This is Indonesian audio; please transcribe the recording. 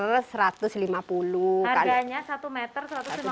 adanya satu meter satu ratus lima puluh